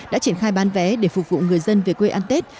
đã triển khai bán vé để phục vụ người dân về quê ăn tết